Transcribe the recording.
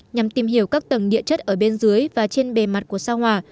nhằm tìm hiểu các tầng địa chất ở bên dưới và trên bề mặt của sao hòa